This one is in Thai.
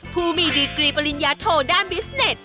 ผู้มีดีกรีปริญญาโทด้านบิสเน็ต